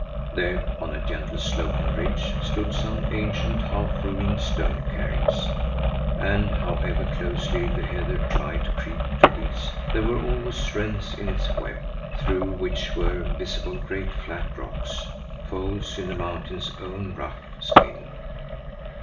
There, on a gently sloping ridge, stood some ancient, half ruined stone cairns; and however closely the heather tried to creep to these, there were always rents in its web, through which were visible great, flat rocks, folds in the mountain's own rough skin.